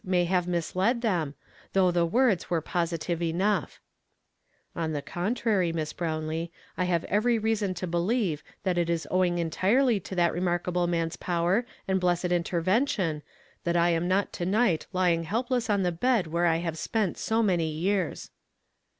ay have misled them, though the words were positive enough* '' On the contrary, Miss lirownlee, I liave every reason to believe ihat it is owing entirely to that remarkable man's power and blessed intervention tiiat I am not to night l}ing helpless on the bed where I have spent so many yeai s."